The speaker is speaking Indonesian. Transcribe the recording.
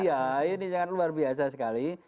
ya ini sangat luar biasa sekali